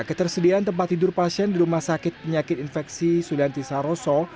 ketersediaan tempat tidur pasien di rumah sakit penyakit infeksi sulianti saroso